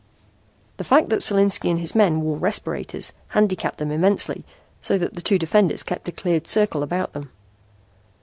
The fact that Solinski and his men wore respirators handicapped them immensely, so that the two defenders kept a cleared circle about them.